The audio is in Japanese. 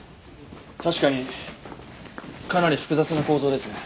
確かにかなり複雑な構造ですね。